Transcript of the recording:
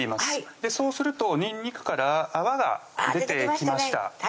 そうするとにんにくから泡が出てきました